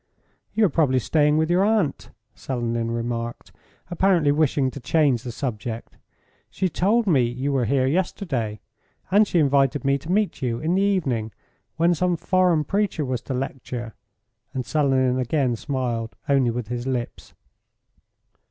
"You are probably staying with your aunt," Selenin remarked, apparently wishing to change the subject. "She told me you were here yesterday, and she invited me to meet you in the evening, when some foreign preacher was to lecture," and Selenin again smiled only with his lips.